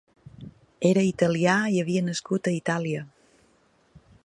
Era italià i havia nascut a Itàlia.